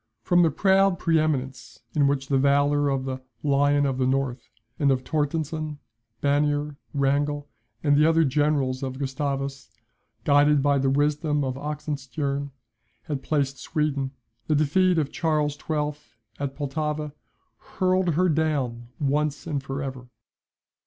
From the proud pre eminence in which the valour of the "Lion of the North" and of Torstenston, Bannier, Wrangel and the other Generals of Gustavus, guided by the wisdom of Oxenstiern, had placed Sweden, the defeat of Charles XII. at Pultowa hurled her down at once and for ever.